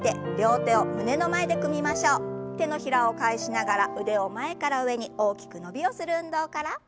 手の平を返しながら腕を前から上に大きく伸びをする運動から。